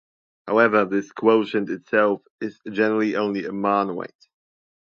However this quotient itself is generally only a monoid.